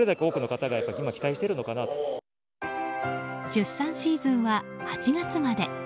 出産シーズンは８月まで。